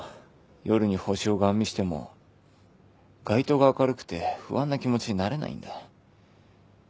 夜に星をガン見しても街灯が明るくて不安な気持ちになれないんだ。